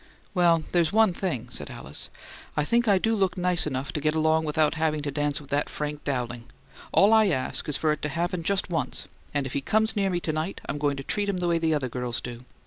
"Well, there's one thing," said Alice. "I think I do look nice enough to get along without having to dance with that Frank Dowling! All I ask is for it to happen just once; and if he comes near me to night I'm going to treat him the way the other girls do.